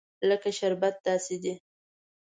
لکه شربت داسې دي.